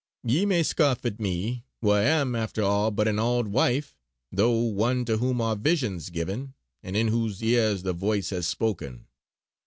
Ye may scoff at me wha' am after all but an aud wife; though one to whom are Visions given, and in whose ears the Voice has spoken.